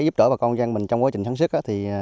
trong quá trình sáng sức